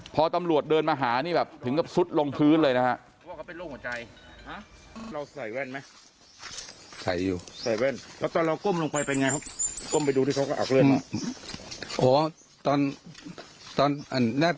พอตำรวจเดินมาหาถึงกับสุดลงพื้นเลยนะครับ